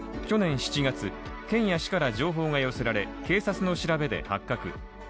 去年７月、県や市から情報が寄せられ警察の調べで発覚。